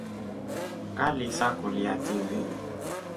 Ngilisakulia TV.